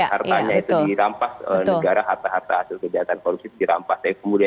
hartanya itu dirampas negara harta harta hasil kejahatan korupsi dirampas